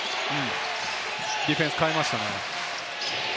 ディフェンス変えましたね。